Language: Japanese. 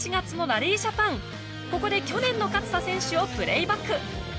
ここで去年の勝田選手をプレイバック。